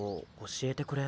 教えてくれ？